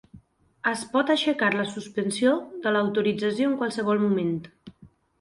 Es pot aixecar la suspensió de l'autorització en qualsevol moment.